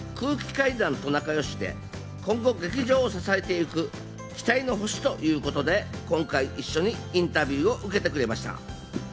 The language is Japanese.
そしてコットンは空気階段と仲よしで今後、劇場を支えていく期待の星ということで今回一緒にインタビューを受けてくれました。